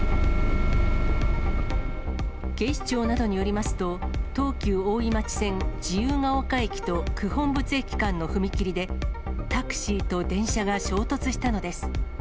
警視庁などによりますと、東急大井町線自由が丘駅と九品仏駅間の踏切で、タクシーと電車が衝突したのです。